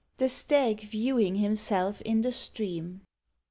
THE STAG VIEWING HIMSELF IN THE STREAM.